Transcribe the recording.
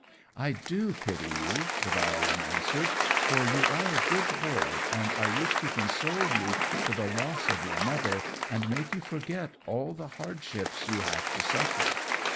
"I do pity you," the violin answered, "for you are a good boy, and I wish to console you for the loss of your mother, and make you forget all the hardships you have to suffer.